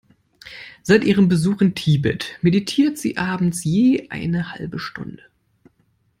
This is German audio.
Seit ihrem Besuch in Tibet meditiert sie abends je eine halbe Stunde.